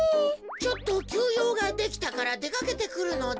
ちょっときゅうようができたからでかけてくるのだ。